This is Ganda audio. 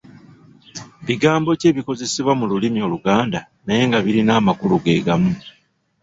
Bigambo ki ebikozesebwa mu lulimi Oluganda naye nga birina amakulu ge gamu?